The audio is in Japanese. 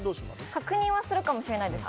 確認はするかもしれないです。